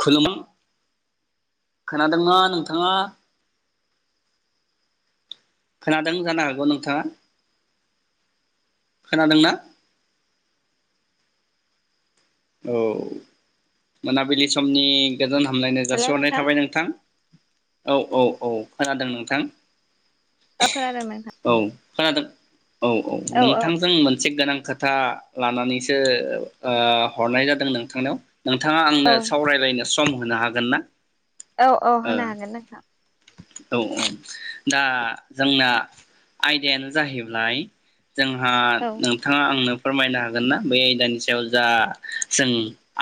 खुलुमा खोनादोंना नोंथाङा? खोनादों जानो हागौ नोंथाङा खोनादोंना? औ मोनाबिलि समनि गोजोन हामलायनो जासिहरनाय थाबाय नोंथां । औ औ औ खोनादों नोंथां। औ खोनादों नोथां। औ खोनादों? औ औ नोंथांजों मोन थिग गोनां खोथा लानानैसो ओ हरनाय जादों नोंथांनाव। नोंथाङा औ आंनो सावरायलायनो सम होनो हागोन ना? औ औ ओ होनो हागोन नोंथां। औ ओम दा जोंना आयदायानो जाहैब्लाय जोंहा औ नोंथाङा आंनो फोरमायनो हागोन ना बै आयदानि सायाव जा जों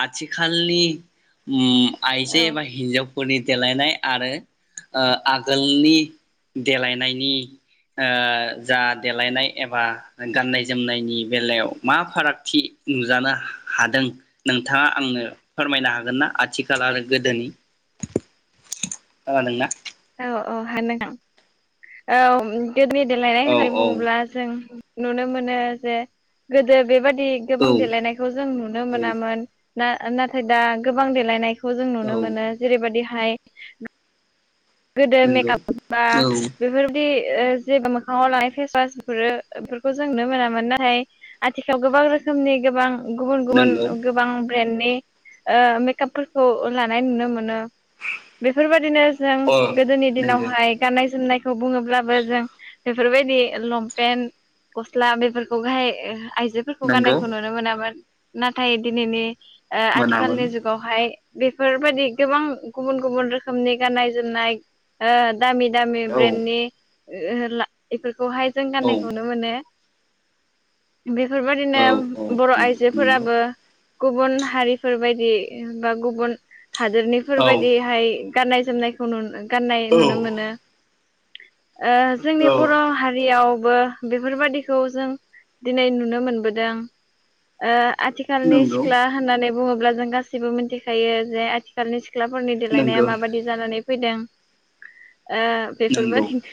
आथिखालनि उम औ आइजे एबा हिन्जाव फोरनि देलायनाय आरो ओ आगोलनि देलायनायनि ओ जा देलायनाय एबा गाननाय जोमनायनि बेलायाव मा फारागथि नुजानो हा हादों नोंथाङा आंनो फोरमायनो हागोन ना आथिखाल आरो गोदोनि ओ नोंना औ औ [unintelligible] औ [unintelligible] गोदोनि देलायनाय औ होननाय औ बुङोब्ला जों नुनो मोनो जे गोदो बेबादि औ गोबां देलायनायखौ जों नुनो औ मोनामोन। ना नाथाय दा गोबां देलायनाय खौ जों नुनो औ मोनो जेरैबायदि हाय। गोदो नंगौ मेकाप बा औ बेफोरबादि ओ जे मोखाङाव लानाय फेसवासफोरखौ जों नुनो मोनामोन नाथाय आथिखालाव गोबां रोखोमनि गोबां गुबुन गुबुन नंगौ गोबां ब्रेन्डनि ओ मेकापफोरखौ लानाय नुनो मोनो बेफोरबायदिनो जों अ गोदोनि नंगौ दिनावहाय गाननाय जोमनाय खौ बुङोब्लाबो जों बेफोरबायदि लंपेन्ट गस्ला बेफोरखौहाय हो। आइजोफोरखौ नंगौ गाननायखौ नुनो मोनामोन नाथाय दिनिनि। ओ मोनामोन आथिखालनि जुगावहाय बेफोरबायदि गोबां गुबुन गुबुन रोखोमनि गाननाय जोमनाय। ओन। दामि दामि औ ब्रेन्डनि ओ ओ ला इफोर। बहाय जों औ गाननायखो मोनो। औ बेफोरबायादिनो औ बर' औ नंगौ आइजोफोराबो गुबुन हारिफोरबायायदि बा गुबुन हादोरनिफोर औ बायदिहाय गाननाय जोमनायखौ नुनो गाननाय नुनो औ मोनो। ओ जोंनि बर' औ हारियाव बो बेफोरबायदिखौ जों दिनै नुनो मोनबोदों आथिखालनि नंगौ सिख्ला होननानै बुङोब्ला जों गासिबो मोनथिखायो जे आथिखालनि सिख सिख्लाफोरनि देलायनाया नंगौ माबायदि जानानै फैदों। ओ नंगौ बेफोरबादिनो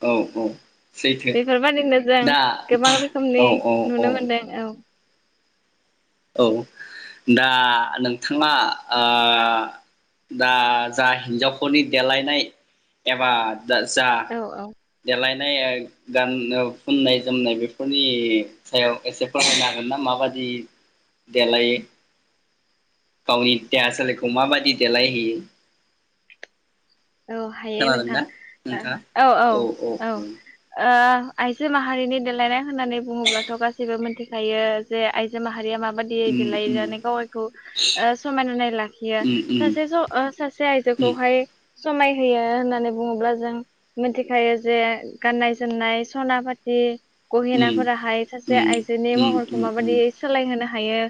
औ औ सैथो बेफोरबादिनो जों दा गोबां औ रोखोमनि औ औ नुनो मोनदों औ। औ दा नोंथाङा ओ दा जा हिन्जावफोरनि देलायनाय एबा। दा जा औ औ देलाय। नाय गान नो फुननाय जोमनाय बेफोरनि सायाव एसे फमायनो हागोन ना माबादि। देलायो। गावनि देहा सोलेरखौ माबादि देलायहोयो। औ हायो नोंथां नोंथाङा ओ औ औ औ ओ आइजो माहारिनि देलायनाय होननानै बुङोब्लाथ' गासैबो मोनथिखायो जे आइजो माहारिया माब बादियै उम उम देलायनानै गावयैखौ ओ समायनानै लाखियो उम उम सासे ओ सासे उम आइजोखौहाय। समाय होयो होननानै बुङोब्ला जों मिथिखायो जे गाननाय जोमनाय सना फाथि। गहेनाफोराहाय सासे उम आइजोनि उम उम महरखौ माबायदि सोलायहोनो हा हायो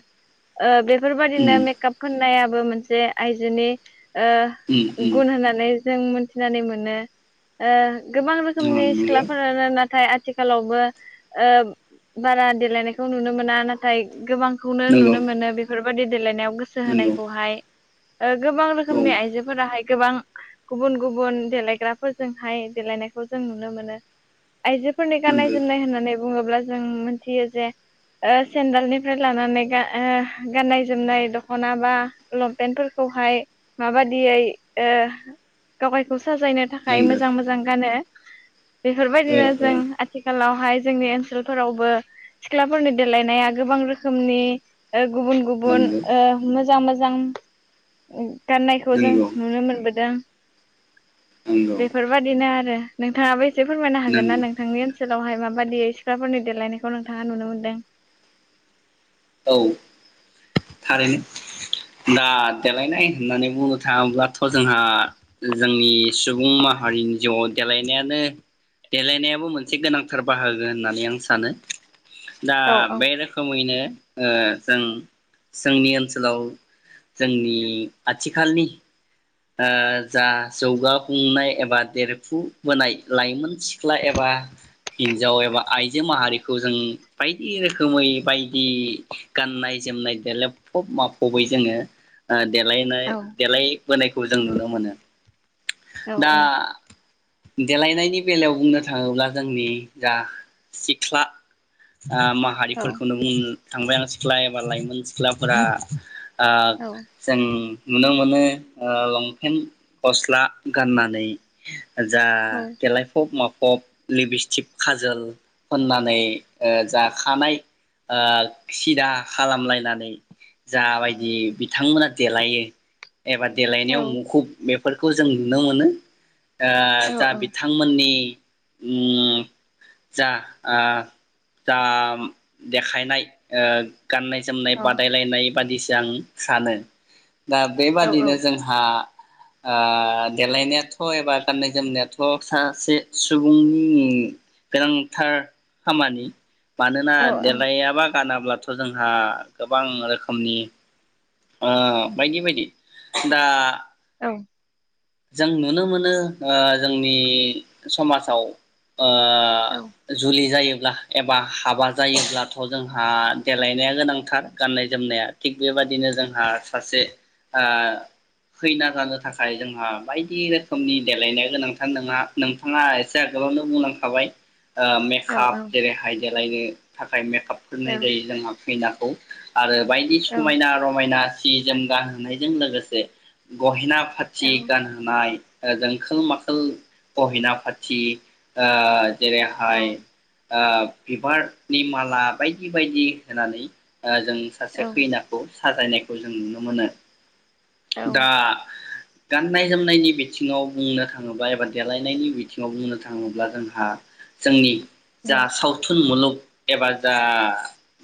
ओ बेफ फोरबादिनो मेकआप फोननाया। बो मोनसे आइजोनि। उम ओ गुन होना। जों मोनथिनानै मोनो ओ गोबां रोखोमनि उम उम सिख्लाफोरानो नाथाय आथिखालावबो ओ बारा देलायनायखौ नुनो मोना नाथाय गोबांखौनो नंगौ नुनो मोनो बेफोर बादि देलायनायाव। गोसो नंगौ होनायखौहाय। ओ गोबां नंगौ औ रोखोमनि आइजोफोराहाय गोबां। गुबुन गुबुन देलायग्राफोरजोंहाय देलायनायखौ जों नुनो मोनो। आइजोफोरनि गाननाय नंगौ जोमनाय होननानै बुङोब्ला जों मिथियो जे ओ सेन्देलनिफ्राय लानानै गा ओ गाननाय जोमनाय दख'ना बा लंपेन्टफोरखौहाय माबादियै ओ [unintelligible] साजायनो थाखाय नंगौ मोजां मोजां गानो। बेफोरबायदिनो ओ ओ जों आथिखालावहाय जोंनि ओनसोलफोरावबो सिख्लाफोरनि देलायनाया गोबां रोखोमनि। ओ गुबुन गुबुन नंगौ ओ मोजां मोजां। [unintelligible] गाननायखौ जों नंगौ नुनो मोनबोदों। नंगौ बेफोरबायदिनो आरो। नोंथाङा एसे फोरमायनो होगोना नंगौ नोंथांनि ओनसोलावहाय मा बादियै सिख्लाफोरनि देलायनायखौ नोंथाङा नुनो मोनदों औ थारैनो दा देलायनाय होननानै बुंनो थाङोब्लाथ' जोंहा जोंनि सुबुं माहारिनि जिउआव देलायनायानो देलायनायाबो मोनसे गोनांथार बाहागो होननानै आं सानो दा औ औ बे रोखोमैनो ओ जों जोंनि ओनसोलाव जोंनि आथिखालनि ओ जा जौगाफुंनाय एबा देरफुबोनाय लाइमोन थि सिख्ला एबा हिन्जाव एबा आइजो माहारिखौ जों बायदि रोखोमै बायदि गाननाय जोमनाय देलेबफब माबफबै जोङो देलायनाय औ देलाय बोनायखौ जों नुनो मोनो औ दा औ देलायनायनि बेलायाव बुंनो थाङोब्ला जोंनि जा सिख्ला आ औ माहारिफोरखौनो बुं थांबाय आं सिख्ला एबा लाइमोन सिख्लाफोरा आ औ जोंनि नुनो मोनो। ओ लंपेन्ट गस्ला गाननानै जा औ देलायफब मा फब लिपस्टिक खाजोल फोननानै ओ जा खानाय ओ सिदा खालामलायनानै जाबायदि बिथांमोना देलायो एबा औ देलेनायाव मुखुब बे फोरखौ जों नुनो मोनो ओ जा औ बिथांमोननि ओम जा ओ जा देखायनाय ओ गाननाय-जोमनाय बादायलायनाय बायदिसो आं सानो। दा औ औ बेबादिनो आ ओ देलायनायाथ' एबा गाननाय जोमनायाथ' सासे सुबुंनि गोनांथार खामानि मानोना देलायाबा गानाब्लाथ' जोंहा गोबां रोखोमनि ओ बायदि बायदि ।दा औ जों नुनो मोनो ओ जोंनि समाजाव ओ औ जुलि जायो ल्बा एबा हाबा जायोब्लाथ' जोंहा देलायनाया गोनांथार गाननाय जोमनाया। थिग बेबायदिनो जोंहा सासे खैना जानो थाखाय जों हा बायदि रोखोमनि देलायनाया गोनांथार नोंहा नोंथाङा एसे आगोलावनो बुंलांखाबाय। ओ मेखाप औ जेरैहाय देलायनो थाखाय मे खाब औ फुननाय जायो जोंहा। खैनाखौ आरो बायदि समायना-रमायना जि-जोम गानहोनायजों लोगोसे गहेना जि औ गानहोनाय ओ जोंखोल-माखोल गहेना-फाथि ओ जेरैहाय ओ बिबारनि माला बायदि बायदि होनानै ओ जों सासे खैनाखौ साजायनायखौ जों नुनो मोनो दा। गाननाय जोमनायनि बिथिङाव बुंनो थाङोब्ला एबा देलायनायनि बिथिङाव बुंनो थाङोब्ला जोंहा जोंनि जा सावथुन मुलुग एबा जा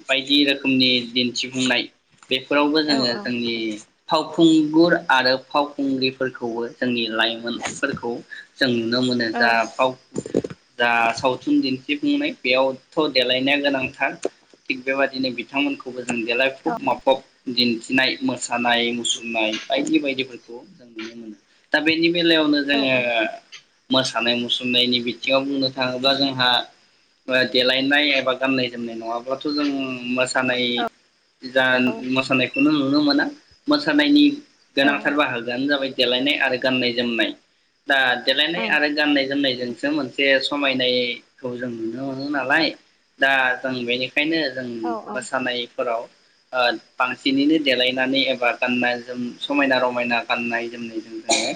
बायदि रोखोमनि दिन्थिफुंनाय बेफोरावबो जोंङो जोंनि फाव खुंगुर आरो फावखुंग्रिफोरखौबो जोंनि लाइमोनफोरखौ जों नुनो मोनो जा फाव जा सावथुन दिन्थिफुंनाय बेयावथ देलायनाया गोनांथार थिग बेबादिनो बिथांमोनखौबो जों देलायफब माफब दिन्थिनाय मोसानाय मुसु नाय बायदि बायदिफोरखौ जों नुनो मोनो दा बेनि बेलायावनो जोंङो मोसानाय मुसुरनायनि बिथिङाव बुंनो थाङोब्ला जोंहा देलायनाय एबा गाननाय जोमनाय नङाब्लाथ जों मोसानाय जा मोसानायखौनो नुनो मोना मोस सानायनि गोनांथार बाहोगोआनो जाबाय देलायनाय आरो गाननाय जोमनाय दा देलायनाय आरो गाननाय जोमनाय जोंसो मोनसे समायनायखौ जों नुनो मोनो नालाय दा जों बेनि खायनो जों मोसानाय फोराव ओ बांसिनैनो देलायनानै एबा गाननाय जोम समायना रमायना गाननाय जोमनायजों जोंङो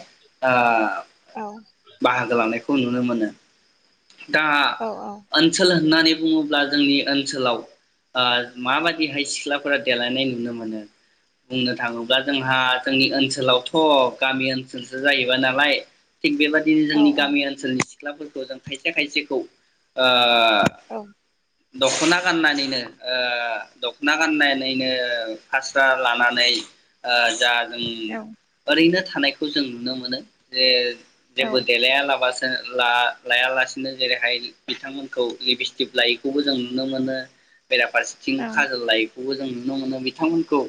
ओ बाहागो लानाय खौ नुनो मोनो। दा ओनसोल होननानै बुंङोब्ला जोंनि ओनसोलाव ओ माबादिहाय सिख्लाफोरा देलायनाय नुनो मोनो बुंनो थाङोब्ला जोंहा जोंनि ओनसोलावथ‌' गामि ओनसोलसो जाहैबाय नालाय। थिग बेबादिनो जोंनि गामि ओनसोलनि सिख्लाफोरखौ जों खायसे खायसेखौ ओ औ। दख'ना गाननानैनो ओ दख'ना गाननानैनो फास्रा लानानै ओ जा ओं ओरैनो थानायखौ जों नुनो मोनो जे जेबो देलाया लाबासि जो ला लायालासिनो जेरैहाय बिथांमोनखौ लिभिस्टिप लायैखौबो जों नुनो मोनो । बेराफारसेथिं खाजोल लाय खौबो जों नुनो मोनो बिथांमोनखौ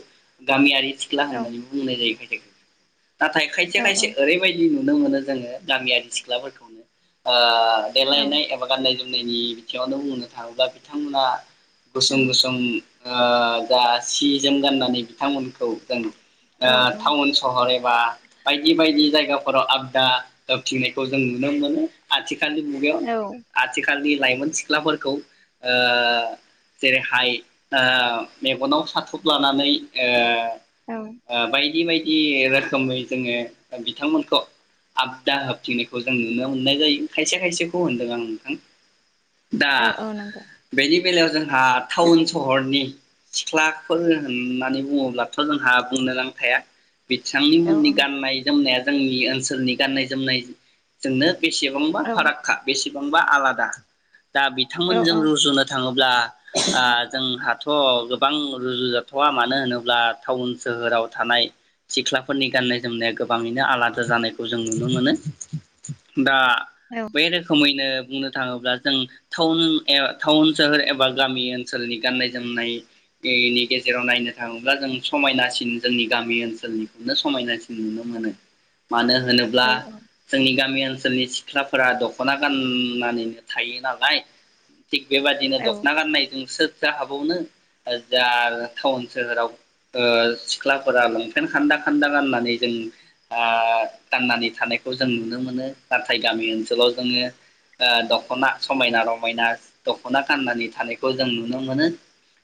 गामियारि सिख्ला होननानै बुंनाय जायो। [inaudible] नाथाय खायसे खायसे ओरैबायदि नु नुनो मोनो जोङो गामियारि सिख्लाफोरखौनो। ओ देलायनाय एबा गान्नाय जोम बुंनायनि बिथिंआवनो बुंनो थाङोब्ला बिथांमोना गोसोम औ गोसोम ओ जा सि जोम गाननानै बिथांमोनखौ जों ओ औ औ टाउन सहरे बा बायदि बायदि जायगाफोराव आबदा होबथिंनायखौ जों नुनो मोनो । आथिख दानि मुगायाव औ आथिख आथिखालनि लाइमोन सिख्लाफोरखौ ओ जेरैहाय ओ मेगनाव साथब लानानै ओ औ ओ बायदि बाय बिदि रोखोमै जोङो बिथांमोनखौ आबदा होबथिंनायखौ जों नुनो मोननाय जायो खायसे खायसेखौ होनदों आं नोंथां दा औ औ नंगौ बेनि बेलायाव जोंहा टाउन सहरनि सिख्लाफोर होननानै बुङोब्लाथ' जोंहा बुंनो नांखाया औ बिथांनिमोननि गाननाय जोमनाया जोंनि ओनसोलनि गाननाय जोमनायजोंनो बेसेयाव गोबां औ फाराग खा बेसे बांबा आलादा दा बिथांमोनजों रुजुनो थाङोब्ला आ जोंहाथ' गोबां रुजुजाथ'आ मानो होनोब्ला टाउन सोहोराव थानाय सिख्लाफोरनि गाननाय जोमनाया गोबाङैनो आलादा जानायखौ जों नुनो मोनो दा औ बे रोखोमैनो बुंनो थाङोब्ला जों टाउन एउ टाउन सोहोर एबा गामि ओनसोलनि गाननाय जोमनायनायनि गेजेराव नायनो थाङोब्ला जों समायनासिन जोंनि गामि ओनसोलनिखौनो समायनासिन नुनो मोनो मानो होनोब्ला औ जोंनि गामि ओनसोलनि सिख्ला फोरा दख'ना गाननानैनो थायो नालाय थिग बेबायदिनो औ दख'ना गाननायजोंसो जा हाबावनो जा टाउन सोहोराव सिख्लाफोरा लंपेन्ट खान्दा खान्दा गाननानै जों गाननानै थानायखौ जों नुनो मोनो नाथाय गामि ओनसोलाव ओनसोलाव जोङो दख'ना समायना रमायना दख'ना गाननानै थानायखौ जों नुनो मोनो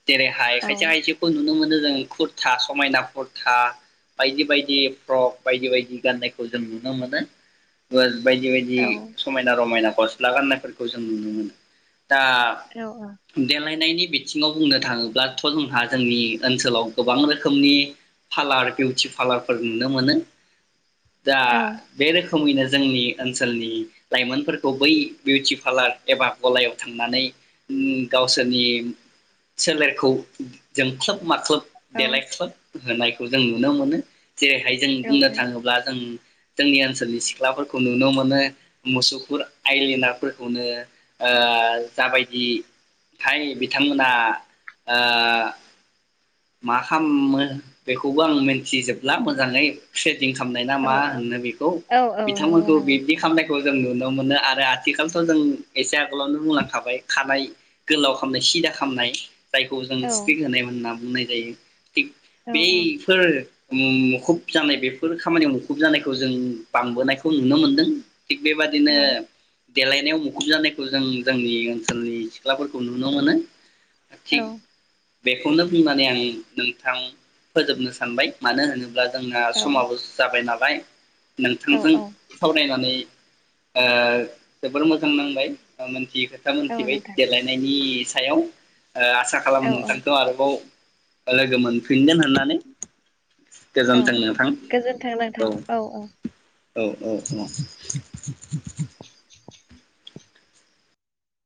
जेरै हाय औ खायसे आयजोखौ नुनो मोनो जों कुर्था समायना कुर्था बायदि बायदि फ्रक बायदि बायदि गाननायखौ जों नुनो मोनो बायदि औ बायदि रमायना गस्ला गाननायफोरखौ जों नुनो मोनो। दा देलाय नैनि बिथिङाव बुंनो थाङोब्लाथ' जोंहा जोंनि ओनसोलाव गोबां रोखोमनि पार्लार बिउटि पार्लारफोर नुनो मोनो दा औ बेरो खोमैनो जोंनि ओनसोलनि लाइमोनफोरखौ बै बिउटि पार्लार एबा गलायाव थांनानै गावसोरनि सोलेरखौ जोंख्लोब माख्लोब देलायख्लोब होनायखौ जों नुनो मोनो जेरैहाय जों बुंनो थाङोब्ला जों जोंनि ओनसोलनि सिख्लाफोरखौ नुनो मोनो मुसौफुर आइलेनारफोरखौनो जाबायदिहाय बिथांमोनहा मा खालामो बेखौबो आं मिन्थिजोबला मोजाङै फ्रे खालामनाय ना मा औ होननो बेखौ औ नंगौ बिथांमोनखौ नंगौ बिदि खालाम जों नुनो मोनो आरो आथिखालथ' जों एसे आगोलावनो बुंलांखाबाय खानाय गोलाव खालामनाय सिदा खालामनाय जायखौ जों औ स्टिक होनाय होन्ना बुंनाय जायो। थिग औ बैफोर मुं मुखुब जानाय बेफोर खामानियाव मुखुब जानायखौ जों बांबोनायखौ नुनो मोनदों। थिग औ बेबादिनो देलायनायाव मुखुब जानायखौ जों जोंनि ओनसोलनि सिख्लाफोरखौ नुनो मोनो । औ । बेखौनो बुंनानै आं नोंथां फोजोबनो सानबाय मानो होनो ब्ला जोंहा औ समाबो जाबाइ ना बाय । नोंथांजों सावरायनानै ओ जोबोर मोजां नांबाय [unintelligible] जि खोथा मोनथिबाय नोंथां देलायनायनि सायाव ओ आसा औ खालामो नोंथांखौ आरोबाव ओ लोगो मोनफिनगोन होननानै। औ गोजोन्थों नोंथां गोजोनथां नोंथां औ औ । औ औ । [unintelligible] [inaudible] [inaudible]